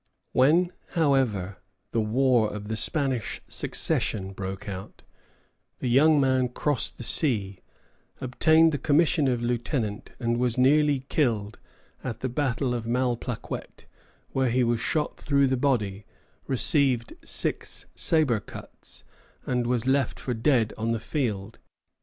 When, however, the War of the Spanish Succession broke out, the young man crossed the sea, obtained the commission of lieutenant, and was nearly killed at the battle of Malplaquet, where he was shot through the body, received six sabre cuts, and was left for dead on the field.